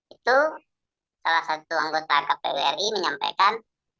itu salah satu anggota kpwri menyampaikan